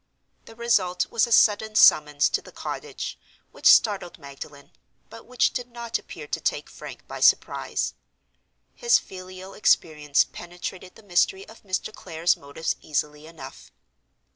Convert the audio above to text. The result was a sudden summons to the cottage, which startled Magdalen, but which did not appear to take Frank by surprise. His filial experience penetrated the mystery of Mr. Clare's motives easily enough.